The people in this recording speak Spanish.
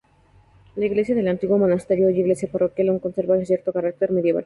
La iglesia del antiguo monasterio, hoy iglesia parroquial, aún conserva cierto carácter medieval.